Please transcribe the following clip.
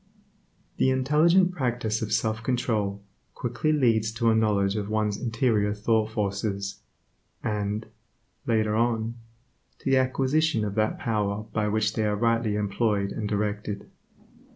The intelligent practice of self control, quickly leads to a knowledge of one's interior thought forces, and, later on, to the acquisition of that power by which they are rightly employed and directed.